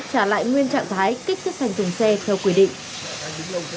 trả lại nguyên trạng thái kích sức thành thùng xe theo quy định